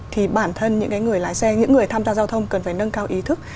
thì bản thân những người lái xe những người tham gia giao thông cần phải nâng cao ý thức